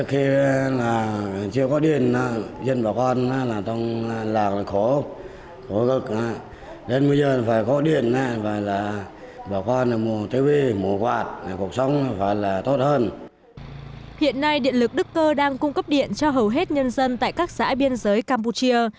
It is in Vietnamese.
hiện nay điện lực đức cơ đang cung cấp điện cho hầu hết nhân dân tại các xã biên giới campuchia